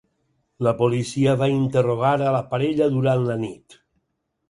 La policia va interrogar a la parella durant la nit